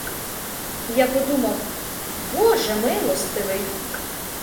Я подумав: боже милостивий!